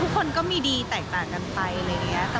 ทุกคนก็มีดีแตกต่างกันไปอะไรอย่างนี้ค่ะ